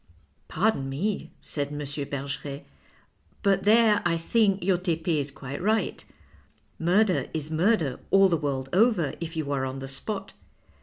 " Pardon me," said M. Bergeret, " but there, I think, your Tepe is quite right. Murder is murder all the world over if 30U are on the spot.